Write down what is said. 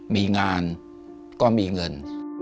มีงานก็มีเงิน